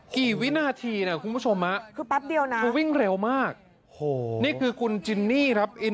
วินาทีนะคุณผู้ชมคือแป๊บเดียวนะคือวิ่งเร็วมากโอ้โหนี่คือคุณจินนี่ครับอิน